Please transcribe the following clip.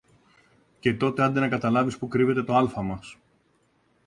Και τότε άντε να καταλάβεις που κρύβεται το άλφα μας